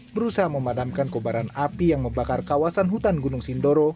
berusaha memadamkan kobaran api yang membakar kawasan hutan gunung sindoro